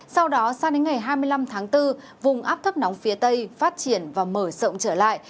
sau đó sang đến ngày hai mươi năm tháng bốn vùng áp thấp nóng phía tây phát triển và mở rộng trở lại